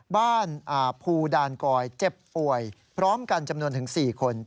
บ้านภูดานกอยเจ็บป่วยพร้อมกันจำนวนถึง๔คน